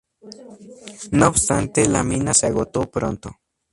No obstante, la mina se agotó pronto.